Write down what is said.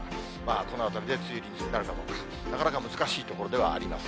このあたりで梅雨入りになるかどうか、なかなか難しいところではあります。